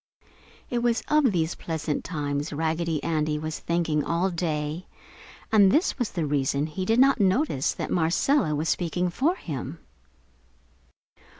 It was of these pleasant times Raggedy Andy was thinking all day, and this was the reason he did not notice that Marcella was speaking for him.